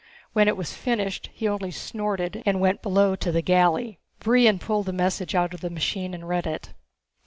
When it was finished he only snorted and went below to the galley. Brion pulled the message out of the machine and read it.